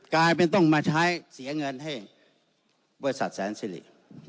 กลายเป็นต้องมาใช้เสียเงินให้บริษัทแสนสิริ